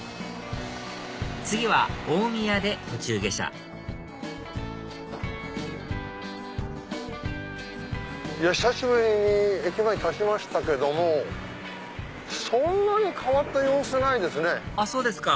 次は大宮で途中下車久しぶりに駅前立ちましたけどもそんなに変わった様子ないですね。